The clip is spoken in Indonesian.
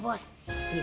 ya pak sudah pak